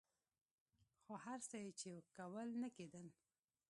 خو هر څه یې چې کول نه کېدل.